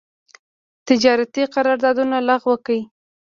تجارتي قرارداونه لغو کړي.